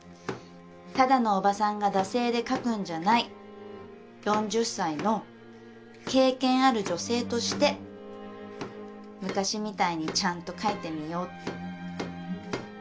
ただのおばさんが惰性で描くんじゃない４０歳の経験ある女性として昔みたいにちゃんと描いてみようって。